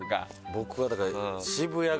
僕はだから。